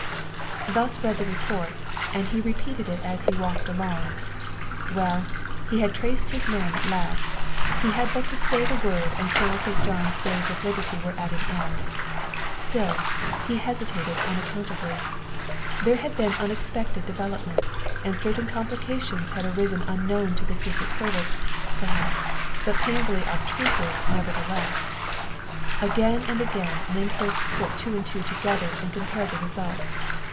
Thus read the report, and he repeated it as he walked along. Well, he had traced his man at last ; he had but to say the word and Colonel St. John's days of liberty were at an end. Still, he hesitated unaccountably. There had been unexpected developments and certain complications had arisen unknown to the Secret Service, perhaps, but painfully obtrusive nevertheless. Again and again Lyndhurst put two and two together and compared the result.